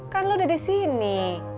kan lo udah di sini